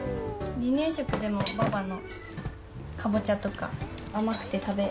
離乳食でもババのカボチャとか、甘くて食べる。